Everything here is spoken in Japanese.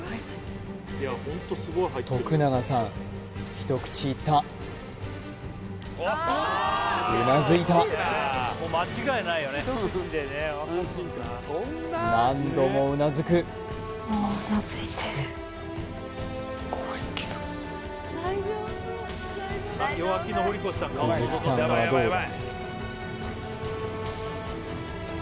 一口いったうなずいた何度もうなずく鈴木さんはどうだ？